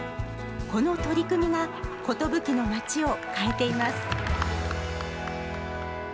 この取り組みが寿の街を変えています。